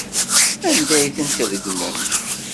Anda ay tent-tregmem?